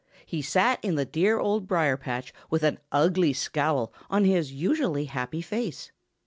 He sat in the dear Old Briar patch with an ugly scowl on his usually happy face.